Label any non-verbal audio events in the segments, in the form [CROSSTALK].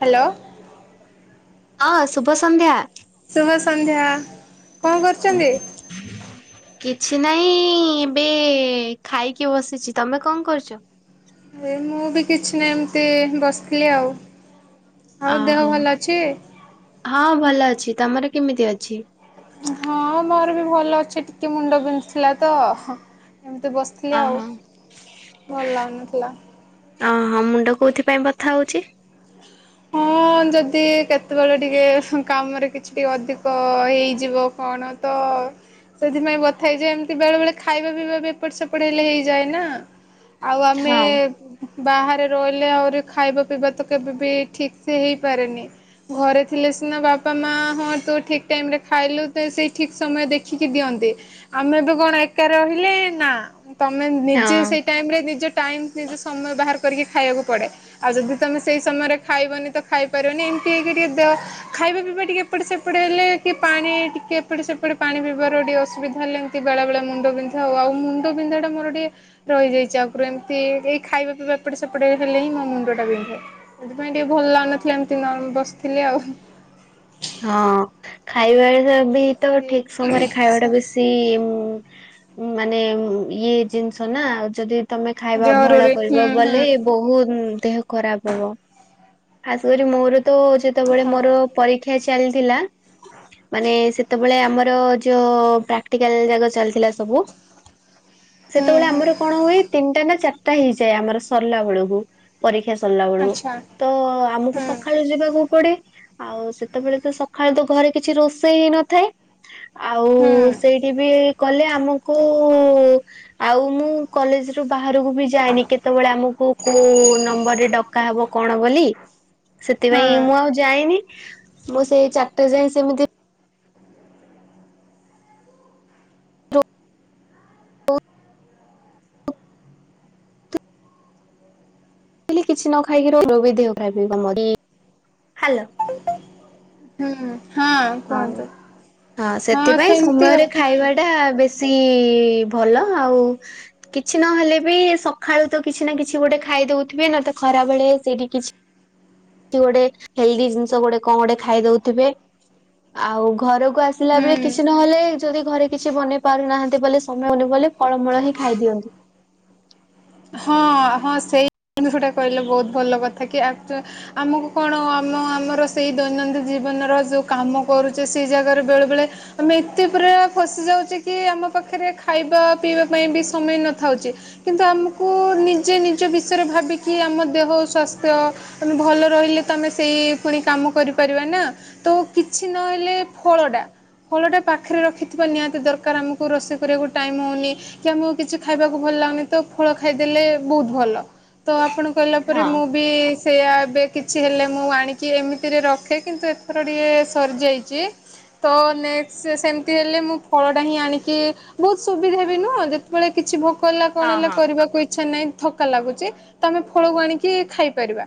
Hello. ହଁ ଶୁଭ ସନ୍ଧ୍ୟା। ଶୁଭ ସନ୍ଧ୍ୟା କଣ କରୁଛନ୍ତି? କିଛି ନାହିଁ ଏବେ ଖାଇକି ବସିଛି ତମେ କଣ କରୁଚ? ଅ ମୁଁ ବି କିଛି ନାହିଁ ଏମିତି ବସିଥିଲି ଆଉ। ଆଉ ଦେହ ଅହୋ ଭଲ ଅଛି? ହଁ ଭଲ ଅଛି ତମର କେମିତି ଅଛି? ହଁ ମୋର ବି ଭଲ ଅଛି ଟିକେ ମୁଣ୍ଡ ବିନ୍ଧୁଥିଲା ତ ହ ଏମିତି ବସିଥିଲି ଆଉ ଓହୋ। ଭଲ ଲାଗୁନଥିଲା। ଓହୋ ମୁଣ୍ଡ କୋଉଥିପାଇଁ ବଥା ହଉଚି? ହଁ ଯଦି କେତେବେଳେ ଟିକେ କାମରେ କିଛି ଟିକେ ଅଧିକ ହେଇଯିବ କଣ ତ ସେଥିପାଇଁ ବଥା ହେଇଯାଏ ଏମିତି ବେଳେ ବେଳେ ଖାଇବା ପିଇବା ଏପଟ ସେପଟ ହେଲେ ହେଇଯାଏ ନା। ଆଉ ଆମେ ହଁ ବାହାରେ ରହିଲେ ଆହୁରି ଖାଇବା ପିଇବା ତ କେବେ ବି ଠିକ୍ ସେ ହେଇପାରେନି। ଘରେ ଥିଲେ ସିନା ବାପା ମା ହଁ ତୁ ଠିକ୍ ଟାଇମ୍ ରେ ଖାଇଲୁ ତ ସେଇ ଠିକ୍ ସମୟ ଦେଖିକି ଦିଅ ନ୍ତି ଆମେ ଏବେ କଣ ଏକା ରହିଲେ ନା ତମେ ନିଜେ ହଁ। ସେଇ ଟାଇମରେ ନିଜେ ଟାଇମ୍ ନିଜେ ସମୟ ବାହାର କରିକି ଖାଇବାକୁ ପଡ଼େ ଆଉ ଯଦି ତମେ ସେଇ ସମୟରେ ଖାଇବନି ତ ଖାଇପାରିବନି ଏମିତି ହେଇକି ଟିକେ ଦେ ଖାଇବା ପିଇବା ଟିକେ ଏପଟ ସେପଟ ହେଲେ କି ପାଣି ଟିକେ କି ଏପଟେ ସେପଟ ପାଣି ପିଇବାର ଟିକେ ଅସୁବିଧା ହେଲେ ଏମତି ବେଳେ ବଳେ ମୁଣ୍ଡ ବିନ୍ଧା ହଉ ଆଉ ମୁଣ୍ଡ ବିଧା ମୋର ଟିକେ ରହିଯାଇଛି ଆଗରୁ ଏମିତି ଏଇ ଖାଇବା ପିଇବା ଏପଟେ ସେପଟେ ହେଲେ ହିଁ ମୋ ମୁଣ୍ଡ ଟା ବିନ୍ଧେ। ସେଥିପାଇଁ ଟିକେ ଭଲ ହଁ। ଲାଗୁନଥିଲା ଏମିତି ନ ବସିଥିଲି ଆଉ। ହଁ ଖାଇବା ବି ତ ଠିକ୍ ସମୟରେ ଖାଇବା ଟା ବେଶୀ ଉ ମାନେ ଇଏ ଜିନିଷ ନା ଯଦି ତମେ ଖାଇବା ଅବହେଳା ଜରୁରୀ ହୁଁ କରିବ ହୁଁ ବଲେ ବହୁ ଉ ଦେହ ଖରାପ ହବ ଖାସ୍ କରି ମୋର ତ ଯେତେବେଳେ ହଁ ମୋର ପରୀ କ୍ଷା ଚାଲିଥିଲା। ମାନେ ସେତେବେଳେ ଆମର ଯୋଉ ପ୍ରାକ୍ଟିକାଲ ଯାକ ଚାଲିଥିଲା ସବୁ। ହୁଁ ସେତେବେଳେ ହୁଁ ଆମର କଣ ହୁଏ ତିନିଟା ନା ଚାରିଟା ହେଇଯାଏ ଆମର ସରିଲା ବେଳକୁ ପରୀକ୍ଷା ସ ସରିଲା ବେଳକୁ ଆଚ୍ଛା ତ ଆମକୁ ହୁଁ ସକାଳୁ ଯିବାକୁ ପଡେ ଆଉ ସେ ସେତେବେଳେ ତ ସକାଳେ ତ ଘରେ କିଛି ରୋଷେଇ ହେଇ ନଥାଏ ଆଉ ହୁଁ ସେଇଠି ବି କଲେ ଆମକୁ ଆଉ ମୁଁ କଲେଜ ରୁ ବା ବାହାରକୁ ବି ଯାଏନି କେତେବେଳେ ଆମକୁ କୋଉ ନମ୍ବର ରେ ଡକା ହବ କଣ ବୋଲି ସେଥିପାଇଁ ହଁ ମୁଁ ଆଉ ଯାଇନି ମୁଁ ସେଇ ଚାରିଟା ଯାଏ ସେମିତି ମୁ ବି କିଛି ନଖାଇକି ମୋର ବି ଦେହ ଖରାପ ହେଇଯିବ ହ୍ୟୋଲୋ। ହୁଁ। ହଁ ହଁ ସେଥିପାଇଁ ସେମିତି ଆଉ ସମୟରେ ହୁଁ ଖାଇବା ଟା ବେଶୀ ସି ଭଲ ଆଉ କିଛି ନହେଲେ ବି ସଖାଳୁ, ତ କିଛି ନା କିଛି ଗୋଟେ ଖାଇ ଖାଇଦଉଥିବେ, ନା ତ ଖରାବେଳେ ସେଇଟି କିଛି କି ଗୋଟେ ହେଲ୍ଦି ଜିନିଷ ଗୋଟେ, କଣ ଗୋଟେ ଖାଇ ଦୋଉଥିବେ। ଆଉ, ଘରକୁ ଆସିଲା ବେଳେ ହୁଁ କିଛି ନହେଲେ ଯଦି ଘରେ କିଛି ବନେଇ ପାରୁନାହାନ୍ତି ବୋଲେ ସମୟ ହେଉନି ବୋଲେ ଫଳମୂଳ ହିଁ ଖାଇ ଦିଅନ୍ତି। ହଁ, ହଁ ସେଇ ଦିନସଟା କହିଲ ବହୁତ୍ ଭଲ କଥା କି ଆ ଆମକୁ କଣ? ମୁଁ ଆମର ସେଇ ଦୈନଦି ଜୀବନର ଯୋଉ କାମ କରୁଛେ। ସେଇ ଜାଗାରେ ବେଳେ ବେଳେ ଆମେ ଏତେ ପୁରା ଫସି ଯାଉଛି କି ଆମ ପାଖରେ ଖାଇବା ପିଇବା ପାଇଁ ବି ସମୟ ନଥାଉଛି। କିନ୍ତୁ ଆମ କୁ, ନିଜେ ନିଜ ବିଷୟରେ ଭାବିକି ଆମ ଦେହ ସ୍ୱାସ୍ଥ୍ୟ, ଆମେ ଭଲ ରହିଲେ ତ ଆମେ ସେଇ ପୁଣି କାମ କରିପାରିବା ନା, ତ କିଛି ନହେଲେ ଫଳ ଟା ଫଳ ଟା ପାଖରେ ରଖିଥିବା ନିହାତି ଦରକାର। ଆମକୁ ରୋଷେଇ କରିବାକୁ ଟାଇମ୍ ହଉନି କି ଆମକୁ କିଛି ଖାଇବାକୁ ଭଲ [UNINTELLIGIBLE] ତ ଫଳ ଖାଇଦଲେ ବହୁତ୍ ଭଲ, ତ ଆପଣ କହିଲା ପରେ ହଁ ମୁଁ ବି ସେଇଆ, ଏବେ କିଛି ହେଲେ ମୁଁ ଆଣିକି ଏମିତିରେ ରଖେ କିନ୍ତୁ ଏଥର ଟିକଏ ସରିଯାଇଛି। ତ ନେକ୍ସ୍, ସେମିତି ହେଲେ ମୁଁ ଫଳ ଟା ହିଁ ଆଣିକି ବହୁତ ସୁବିଧା ବି ନା, ଯେତେବେଳେ କିଛି ଭୋ [UNINTELLIGIBLE] କଣ ହଁ ହେଲା? ହଁ। ଇଛା ନାଇଁ ଥକା ଲାଗୁଛି, ତ ଆମେ ଫଳ ଆଣିକି ଖାଇପାରିବା।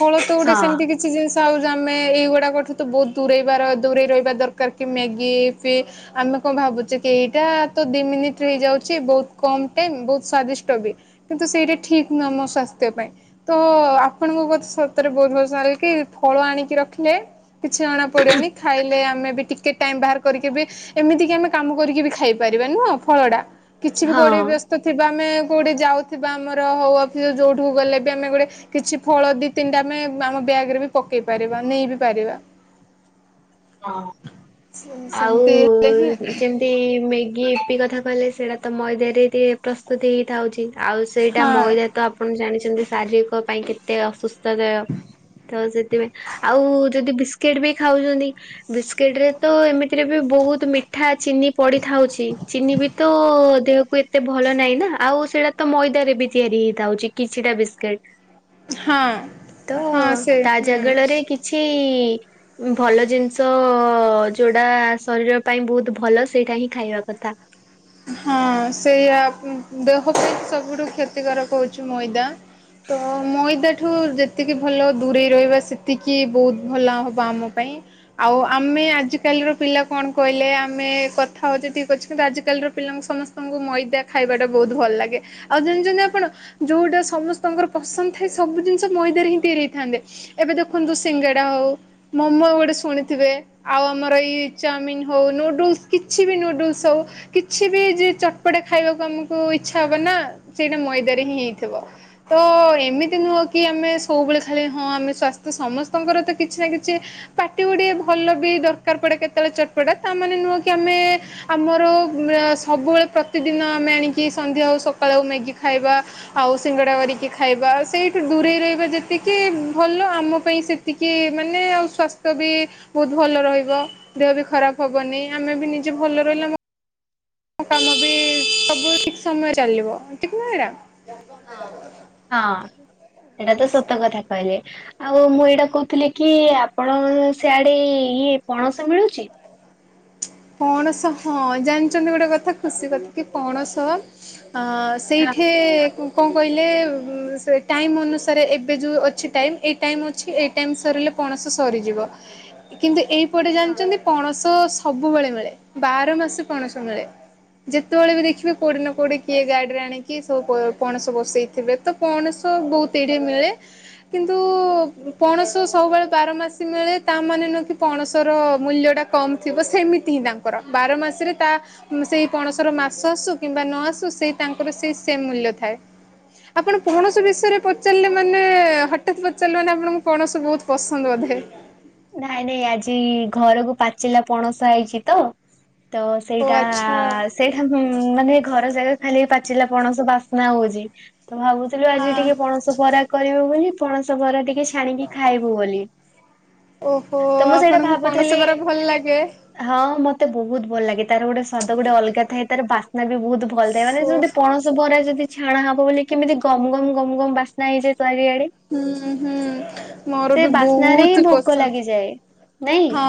ଫଳ ତ ଗୋଟେ ସେମିତି ହଁ କିଛି [UNINTELLIGIBLE] [UNINTELLIGIBLE] ଆମେ ଏଇଗୁଡାକଠୁ ତ ବହୁତ ଦରେଇ ବାର ଦୂରେଇ ରହିବା ଦରକାର, କି ମ୍ୟାଗି [UNINTELLIGIBLE] ଆମେ କଣ ଭାବୁଛେ କି? ଏଇଟା ତ ଦି ମିନିଟରେ ହେଇଯାଉଛି ବହୁତ କମ ଟାଇମ ବହୁତ ସ୍ଵାଦିସ୍ [UNINTELLIGIBLE] କିନ୍ତୁ ସେଇଟା ଠିକ ନୁହଁ ମୋ ସ୍ବାସ୍ଥ୍ୟ ପାଇଁ, ତ ଆପଣଙ୍କ [UNINTELLIGIBLE] ସତରେ ବୋଧ୍ ହୁଏ [UNINTELLIGIBLE] ଫଳ ଆଣିକି ରଖିଲେ କିଛି ଜଣା ପଡିବନି, ଖାଇଲେ ଆମେ ଟିକେ ଟାଇମ ବାହାର କରିକି ବି, ଏମିତି କି ଆମେ କାମ କରିକି ବି ଖାଇପାରିବା ନୁହଁ ଫଳ ଟା। କିଛି ବି କୁଆଡେ ହଁ। ବ୍ୟସ୍ତ ଥିବା ଆମେ [UNINTELLIGIBLE] ଯାଉଥିବା ଆମର ହଉ ଅଫିସ ଯୋଉଠିକୁ ଗଲେ, ବି ଆମେ ଗୋଟେ କିଛି ଫଳ, ଦି ତିନଟା ଆମେ [UNINTELLIGIBLE] ରେ ବି ପକେଇ ପାରିବା, ନେଇ ବିି ପାରିବା। ହଁ, ଆଉ ସେମିତି ହେଲେ ହିଁ ଯେମିତି ମେଗି [UNINTELLIGIBLE] କଥା କହିଲେ ସେଇଟା ତ ମଇଦାରେ ପ୍ରସ୍ତୁତି ହେଇଥାଉଛି। ଆଉ ସେଇଟା ହଁ ମଇଦା ତ ଆପଣ ଜାଣି ଶାରୀରିକ ପାଇଁ କେତେ ଅସୁସ୍ଥତା ତ ସେଥିପାଇଁ, ଆଉ ଯଦି ବିସ୍କିଟ୍ ବି ଖାଉଛନ୍ତି, ବିସ୍କିଟ୍ ରେ ତ ଏମିତିରେ ବି ବହୁତ ମିଠା ଚିନି ପଡିଥାଉଛି। ଚିନି ବି ତ ଦେହକୁ ଏତେ ଭ [UNINTELLIGIBLE] ନାହିଁ ନା ଆଉ ସେଇଟା ତ ମଇଦାରେ ବି ତିଆରି ହେଇଥାଉଛି। କିଛିଟା ବିସ୍କିଟ୍ ତ, ହଁ ହଁ ସେ ତା ହୁଁ ଜାଗାଳରେ କିଛି ଭଲ ଜିନିଷ ଯୋଉଟା ଶରୀର ପାଇଁ ବହୁତ୍ ଭଲ, ସେଇଟା ହିଁ ଖାଇବା କଥା। ହଁ ସେଇଆ, ଦେହ ପାଇଁ ସବୁଠୁ କ୍ଷତିକାରକ ହଉଛି ମଇଦା। ତ ମଇଦା ଠୁ ଯେତିକି ଭଲ ଦୂରେଇ ରହିବା, ସେତିକି ବହୁତ ଭଲ ହବ ଆମ ପାଇଁ। ଆଉ ଆମ୍ [UNINTELLIGIBLE] ଆଜି କାଲି ର ପିଲା କଣ କହିଲେ? ଆମେ କଥା ହଉଛେ ଟିକେ ପଛକୁ ତ ଆଜି କାଲିର ପିଲାଙ୍କୁ ସମସ୍ତଙ୍କୁ ମଇଦା ଖାଇବାଟା ବହୁତ ଭଲ ଲାଗେ। ଆଉ ଜାଣିଛନ୍ତି ଆପଣ, ଯୋଉଟା ସମସ୍ତଙ୍କର ପସନ୍ଦ ଥାଏ, ସବୁ ଜିନିଷ ମଇଦାରେ ହିଁ ତିଆରି ହେଇଥାନ୍ତି। ଏବେ ଦେଖନ୍ତୁ ସିଙ୍ଗେଡା ହଉ ମୋମୋ ଗୋଟେ ଶୁଣିଥିବେ, ଆଉ ଆମର ଏଇ ଚାଉମିନ୍ ହଉ ନୁଡୁଲସ୍ କିଛି ବି ନୁଡୁଲସ୍ ହଉ କିଛି ବି ଯ ଚଟପଟା ଖାଇବାକୁ ଆମକୁ ଇଛା ହବ ନା, ସେଇଟା ମଇଦାରେ ହିଁ ହେଇଥିବ। ତ ଏମିତି ନୁହଁ କି ଆମେ ସବୁବେଳେ ଖାଲି ହଁ, ଆମେ ସ୍ୱାସ୍ଥ୍ୟ ସମସ୍ତଙ୍କର ତ କିଛି ନା କିଛି ପାଟି ଗୁଟେ ଭଲ ବି ଦରକାର ପଡେ, କେତେବେଳେ ଚଟପଟା ତା ମାନେ ନୁହଁ କି, ଆମେ ଆମର ସବୁବେଳେ ପ୍ରତିଦିନ ଆମେ ଆଣିକି ସନ୍ଧ୍ୟା ହଉ ସକାଳୁ ହଉ ମ୍ୟାଗି ଖାଇବା। ଆଉ ସିଙ୍ଗଡ଼ା [UNINTELLIGIBLE] ଖାଇବା, ସେଇଠୁ ଦୂରେଇ ରହିବା ଯେତିକି ଭଲ ଆମ ପାଇଁ ସେତିକି ମାନେ ଆଉ [UNINTELLIGIBLE] ବି ବହୁତ ଭଲ ରହିବ ଦେହ ବି ଖରାପ ହବନି, ଆମେ ବି ନିଜେ ଭଲ ରହିଲେ କାମ ବି ସବୁ ଠିକ୍ ସମୟରେ ଚାଲିବ। ଠିକ୍ ନୁହେଁ ଏଡା ହଁ, ହଁ। ଏଇଟା ତ ସତ କଥା କହିଲେ। ଆଉ ମୁଁ ଏଇଟା କହୁଥିଲି କି ଆପଣ କ ସେଆଡେ ଇଏ ପଣସ ମିଳୁଛି ପଣସ ହଁ ଜାଣିଛନ୍ତି, ଗୋଟେ କଥା ଖୁସି କଥା, କି ପଣସ ଅ ହଁ ସେଇଠି କଣ କହିଲେ- ସେ ଟାଇମ୍ ଅନୁସାରେ ଏବେ ଯେଉଁ ଅଛି ଟାଇମ୍, ଏ ଟାଇମ୍ ଅଛି, ଏ ଟାଇମ୍ ସରିଲେ ପଣସ ସରିଯିବ, କିନ୍ତୁ ଏଇପଟେ ହଁ। ଜାଣିଛନ୍ତି ପଣସ ସବୁ ସବୁବେଳେ ମିଳେ ବାର ମାସ ପଣସ ମିଳେ। ଯେତେବେଳେ ବି ଦେଖିବେ କୋଉଠି ନା କୋଉଠି କିଏ ଗାଡିରେ ଆଣିକି ସବୁ ପଣସ ବସେଇଥିବେ ତ କଣ? ସ ବହୁତ ଏଇଠି ମିଳେ। କିନ୍ତୁ ପଣସ ସବୁବେଳେ ବାର ମାସ ମିଳେ ତା ମାନେ ନୁହେ କି ପଣସର ମୂଲ୍ୟ ଟା କମ ଥିବ ସେମୀତି। ଦିଅନ୍ତି ତାଙ୍କର ବାର ମାସରେ ତା ସେଇ ପଣସର ମାସ ଆସୁ କିମ୍ବା ନ ଆସୁ ସେଇ ତାଙ୍କର ସେଇ ସେମ୍ ମୂଲ୍ୟ ଥାଏ। ଆପଣ କୌଣସି ବିଷୟରେ ପଚାରିଲେ ମାନେ ହଠାତ ପଚାରିଲେ ମାନେ ଆପଣଙ୍କୁ କୌଣସି ବହୁତ ପସନ୍ଦ ବୋଧେ ହ ନାଇଁ ନାଇଁ ଆଜି ଘରକୁ ପାଚିଲା ପଣସ ଆଇଚି ତ। ତ ଓ ସେଇଟା ଆଚ୍ଛା। ସେଇଟାଁ ମାନେ ଘର ଜାଗା ଖାଲି ପା ଆଚିଲା ପଣସ ବାସ୍ନା ହଉଛି ତ ଭାବୁଥିଲୁ ଆଜି ଟିକେ ହଁ ପଣସ ବରା କରିବ ବୋଲି ପଣସ ବରା ଟିକେ ଛାଣିକି ଖାଇବୁ ବୋଲି ଓହୋ ତ ମୁଁ ସେଇଟା ଆପଣଙ୍କୁ ପଣସ ଭାବୁଥିଲି ପରା ଭଲ ଲାଗେ। ହଁ ମତେ ବହୁତ ଭଲ ଲାଗେ। ତାର ଗୋଟେ ସ୍ୱାଦ ଗୋଟେ ଅଲଗା ଥାଏ ତାର ବାସ୍ନା ବି ବହୁତ ଭଲ ଥାଏ ମାନେ ଓଃ। ଯେମତି ପଣସ ବରା ଯଦି ଛଣା ହବ ବୋଲି କେମିତି ଗମ ଗମ ଗମ ଗମ ବାସ୍ନା ହେଇଯାଏ। ଚାରିଆଡେ ହୁଁ ହୁଁ ମୋର ସେ ବି ବାସ୍ନାରେ ହିଁ ବହୁତ କଷ୍ଟ। ଭୋକ ଲାଗିଯାଏ। ନାଇଁ। ହଁ।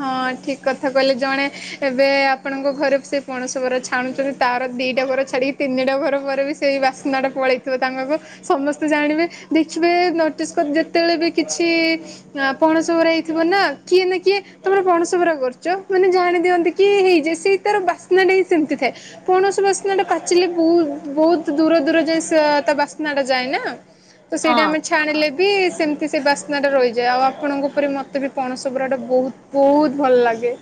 ହଁ ଠିକ କଥା କହିଲେ ଜଣେ ଏବେ ଆପଣଙ୍କ ଘରେ ସେ ପଣସ ବରା ଛାଣୁଛନ୍ତି ତାର। ଦିଟା ଘର ଛାଡିକି ତିନିଟା ଘର ପରେ ବି ସେଇ ବାସ୍ନାଟା ପଳେଇଥିବ ତାଙ୍କ ସମସ୍ତେ ଜାଣିବେ ଦେଖୀ ଏବେ ନୋଟିସ୍ କରି ଯେତେବେଳେ ବି କିଛି ଆପଣ ସବୁରେ ହେଇଥିବ ନା। କିଏ ନା କିଏ ତମର ପଣସ ବରା କରୁଛ ମାନେ ଜାଣି ଦିଅନ୍ତି କି ହେଇଯାଏ ସେଇ ତାର ବାସ୍ନାଟ ସେମିତି ଥାଏ। ପଣସ ବାସ୍ନାଟା ପାଚିଲେ ବହୁ ବହୁତ ଦୂର ଦୂର ଯାଇଏ ତା ବାସ୍ନା ଟା ଯାଏ ନା। ତ ସେଇଟା ହଁ। ଆମେ ଛାଣିଲେ ବି ସେମିତି ସେ ବାସ୍ନା ଟା ରହିଯାଏ ଆଉ ଆପଣଙ୍କ ଉପରେ ମତେ ବି ପଣସ ସବୁୁରାଟା ବହୁତ ବହୁତ ଭଲ ଲାଗେ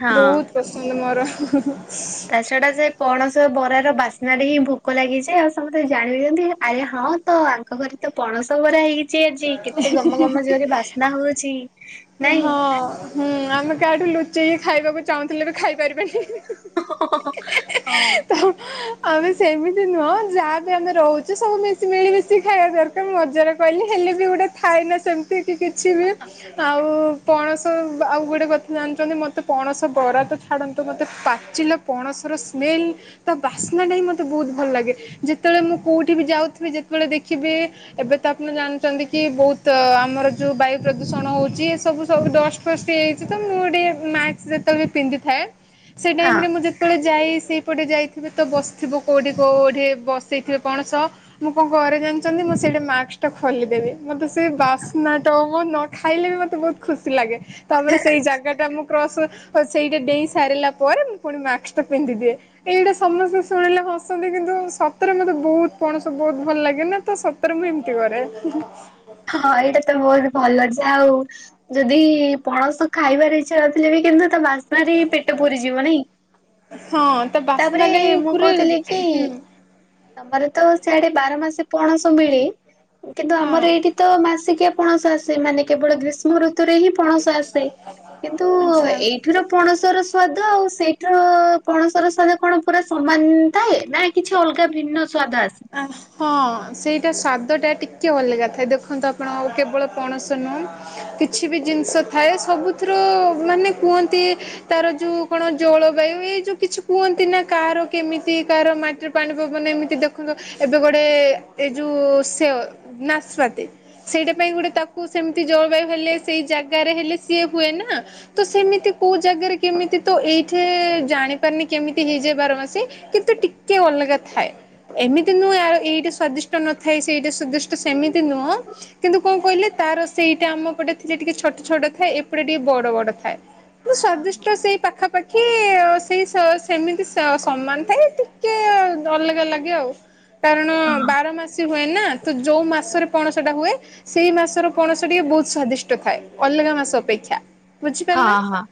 ହଁ। ବହୁତ ପସନ୍ଦ ମୋର। ତା ଛଡା ସେ ପଣସ ବରାର ବାସ୍ନାଟି ହିଁ ଭୋକ ଲାଗିଯାଏ ଆଉ ସମସ୍ତେ ଜାଣଛନ୍ତି ଆରେ ହଁ। ହଁ ତ ଆଙ୍କ ଘରେ ତ ପଣସ ବରା ହେଇଛି। ଆଜି କେତେ ଗମ ଗମ ଜୋରେ ବାସ୍ନା ହଉଛି। ନାଇଁ। ହଁ ହୁଁ ଆମେ କାଠୁ ଲୁଚି। ଯେ ଖାଇବାକୁ ଚାହୁଁଥିଲେ ବି ଖାଇପାରିବେନି ହଁ। ତ। ଆମେ ସେମିତି ନୁହଁ ଯାହାବି ଆମେ ରହୁଛୁ ସବୁ ମିଳି ମିଶି ଖାଇବା ଦରକାର ମଜାରେ କହିଲି। ହେଲେ ବି ଗୋଟେ ଥାଏ ନା ସେମିତିକ କିଛି ବି ଆଉ ପଣସ ଆଉ ଗୋଟେ କଥା ଜାଣିଛନ୍ତି ମୋତେ ପଣସ ବରା ତ ଛାଡ଼ନ୍ତୁ ମୋତେ ପାଚିଲା ପଣସ ର ସ୍ମେଲ ତା ବାସ୍ନାଟା ହି ମୋତେ ବହୁତ ଭଲ ଲାଗେ ଯେତେବେଳେ ମୁଁ କଉଠି ବି ଯାଉଥିବି ଯେତେବେଳେ ଦେଖୀ କେବେ ଏବେ ତ ଆପଣ ଜାଣି ଛନ୍ତି ବହୁତ ଆମର ଯୋଉ ବାୟୁ ପ୍ରଦୂଷଣ ହଉଛି ଏ ସବୁ ସବୁ ଡଷ୍ଟ ଫଷ୍ଟ ହେଇଯାଇଛି ତ ମୁଁ ଏଠି କେବେ ମାସ୍କ ଯେତେ ବେଳେ ବି ପିନ୍ଧିଥାଏ ସେ ଟାଇ ହଁ। ମୁଁ ଯେତବେଳେ ଯାଇ ସେଇପଟେ ଯାଇଥିବେ ତ ବସିଥିବ କୋଉଠି କୋଉଠି ବସେଇଥିବେ ପଣସ କଣ ସହ ମୁଁ କଣ ଘରେ ଜାଣିଛନ୍ତି? ମୁଁ ସେଟା ମାସ୍କ ଟା ଖୋଲିଦେବି ମୋତେ ସେ ବାସ୍ନାଟା ନ ଖାଇଲେ ବି ମୋତେ ବହୁତ ଖୁସି ଲାଗେ। ତାପରେ ସେଇ ଜାଗା ଟା ମୁଁ କ୍ରସ କରୁଛି। ସେଇଟା ଡେଇ ସାରିଲା ପରେ ମୁଁ ପୁଣି ମାସ୍କ ଟା ପିନ୍ଧି ଦିଏ ଏଇଟା ସମସ୍ତେ ଶୁଣିଲେ ହସନ୍ତି। କିନ୍ତୁ ସତରେ ମତେ ବହୁତ ପଣସ ବହୁତ ଭଲ ଲାଗେ ନା ତ ସତରେ ମୁଁ ଏମିତି କରେ। ହଁ ଏଇଟା ତ ବହୁତ ଭଲ। ଯାଉ ଯଦି ପଣସ ଖାଇବାର ଇଚ୍ଛା ନଥିଲେ ବି କିନ୍ତୁ ତା ବାସ୍ନା ପେଟ ପୁରିଯିବ ନାଇଁ। ହଁ ତା ତାପରେ ବାସ୍ନାଟା ହିଁ ମୁଁ ପୁରା କହୁଥିଲି କି ତମର ତ ସିଆଡେ ବାର ମାସ ପଣସ ମିଳି କିନ୍ତୁ ହଁ ଆମର ଏଇଠି ତ ମାସିକିଆ ପଣସ ଆସେ ମାନେ କେବଳ ଗ୍ରୀଷ୍ମ ଋତୁ ରେ ହିଁ ପଣସ ଆସେ କିନ୍ତୁ ଆଚ୍ଛା ଏଇଠିର ପଣସର ସ ସ୍ଵାଦ ଆଉ ସେଇଠିର ପଣସର ସ୍ଵାଦ କଣ ପୁରା ସମାନ ଥାଏ ନା କିଛି ଅଲଗା ଭିନ୍ନ ସ୍ଵାଦ ଆସେ? ହଁ ସେଇ ସ୍ଵାଦ ଟା ଟିକେ ଅଲଗା ଥାଏ ଦେଖନ୍ତୁ ଆପଣ କେବଳ ପଣସ ନୁହେଁ କିଛି ବି ଜିନିଷ ଥାଏ ସବୁଥିର ମାନେ କୁହନ୍ତି ତାର ଯୋଉ କଣ ଜଳବାୟୁ ଏଇ ଯୋଉ କିଛି କୁହ କହ ନା କାହାର କେମିତି କାହାର ମାଟିର ପାଣି ପବନ ଏମିତି ଦେଖ ଦେଖନ୍ତୁ ଏବେ ଗୋଟେ ଏଇ ଯୋଉ ସେ ନାସ୍ପାତି ସେଇଟା ପାଇଁ ଗୋଟେ ତାକୁ ସେମିତି ଜଳବାୟୁ ହେଲେ ସେଇ ଜାଗାରେ ହେଲେ ସିଏ ହୁଏ ନା ତ ସେମିତି କୋଉ ଜାଗାରେ କେମତି ତ ଏଇଠେ ଜାଣିପାରିନି କେମିତି ହେଇଯାଇ ବାର ମାସୀ କିନ୍ତୁ ଟିକେ ଅଲଗା ଥାଏ। ଏମିତି ନୁହେଁ ଆଉ ଏଇଟା ସ୍ଵାଦିଷ୍ଟ ନଥାଏ ସେଇଟା ସ୍ଵାଦିଷ୍ଟ ସେମିତି ନୁହଁ କିନ୍ତୁ କଣ କହିଲେ ତାର ସେଇଟା ଆମ ପଟେ ଥିଲେ ଟିକେ ଛୋ ଛୋଟ ଥାଏ ଏପଟେ ଟିକେ ବଡ ବଡ ଥାଏ ହଁ ସ୍ଵାଦିଷ୍ଟ ସେଇ ପାଖାପାଖି କି ସେଇ ସେମିତି ସମାନ ଥାଏ ଟିକେ ଅଲଗା ଅଲଗା ଆଉ କାରଣ ବାର ମାସ ହୁଏ ନା ତ ଯୋଉ ମାସରେ ପଣସ ଟା ହୁଏ ସେଇ ମାସର ପଣସ ଟିକେ ବହୁତ ସ୍ଵାଦିଷ୍ଟ ଥାଏ ଅଲଗା ମାସ ଅପେକ୍ଷା ବୁଝିପାରିଲେନା ହଁ ହଁ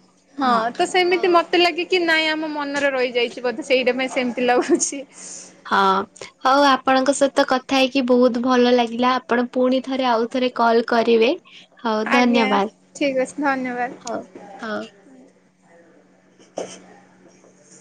ହଁ ତ ସେମିତି ମତେ ଲାଗେ କି ନାଇଁ ଆମ ମନରେ ରହିଯାଇଛି ବୋଧେ ସେଇଟା ପାଇଁ ସେମତି ଲାଗୁଛି। ହ ହଉ ଆପଣଙ୍କ ସହିତ କଥା ହେଇକି ବହୁତ ଭଲ ଲାଗିଲା ଆପଣ ପୁଣି ଥରେ ଆଉ ଥରେ କଲ କରିବେ ହଉ ଆଜ୍ଞା ଧନ୍ୟବାଦ ଠିକ ଅଛି ଧନ୍ୟବାଦ। ହଉ ହଉ-